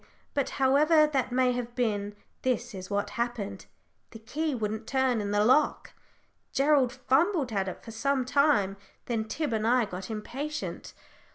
But, however that may have been, this is what happened. The key wouldn't turn in the lock! Gerald fumbled at it for some time, then Tib and I got impatient.